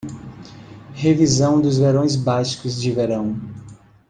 Revisão dos verões bascos de verão.